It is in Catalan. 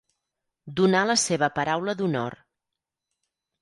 Donar la seva paraula d'honor.